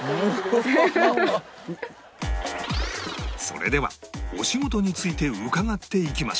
それではお仕事について伺っていきましょう